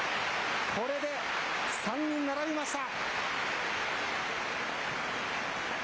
これで３人並びました。